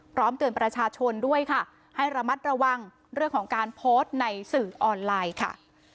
พร้อมเตือนประชาชนด้วยค่ะให้ระมัดระวังเรื่องของการโพสต์ในสื่อออนไลน์ค่ะ